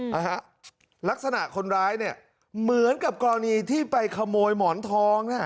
นะฮะลักษณะคนร้ายเนี่ยเหมือนกับกรณีที่ไปขโมยหมอนทองน่ะ